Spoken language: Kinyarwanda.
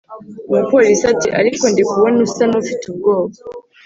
umupolice ati”ariko ndikubona usa nufite ubwoba